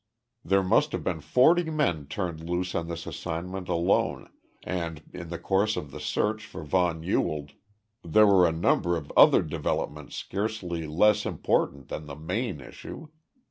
There must have been forty men turned loose on this assignment alone, and, in the course of the search for von Ewald, there were a number of other developments scarcely less important than the main issue.